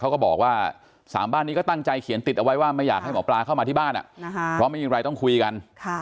เขาก็บอกว่า๓บ้านนี้ก็ตั้งใจเขียนติดเอาไว้ว่าไม่อยากให้หมอปลาเข้ามาที่บ้านเพราะไม่มีอะไรต้องคุยกัน